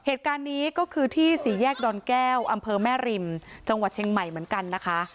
เหตุการณ์นี้ก็คือที่สี่แยกดอนแก้วอำเภอแม่ริมจังหวัดเชียงใหม่เหมือนกันนะคะ